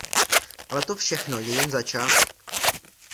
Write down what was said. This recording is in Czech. Ale to všechno je jen začátek.